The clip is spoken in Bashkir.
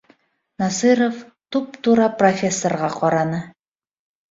— Насиров туп- тура профессорға ҡараны